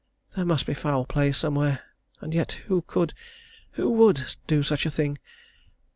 There must be foul play somewhere. And yet who could who would do such a thing?